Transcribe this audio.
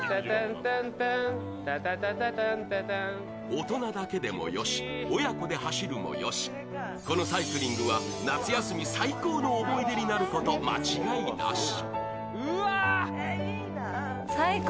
大人だけでもよし、親子で走るもよしこのサイクリングは夏休み最高の思い出になること間違いなし。